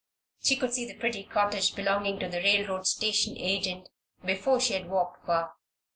She could see the pretty cottage belonging to the railroad station agent before she had walked far.